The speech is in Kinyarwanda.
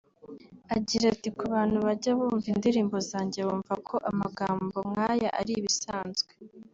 Agira ati “Ku bantu bajya bumva indirimbo zanjye bumva ko amagambo nk’aya ari ibisanzwe